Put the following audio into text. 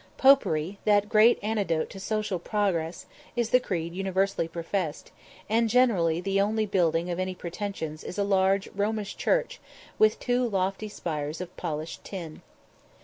Popery, that great antidote to social progress, is the creed universally professed, and generally the only building of any pretensions is a large Romish church with two lofty spires of polished tin.